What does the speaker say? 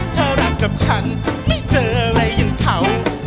ถ้ารักกับฉันไม่เจออะไรอย่างเขา